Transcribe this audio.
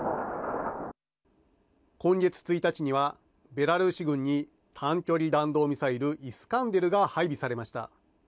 今月１日にはベラルーシ軍に短距離弾道ミサイルイスカンデルが配備されました。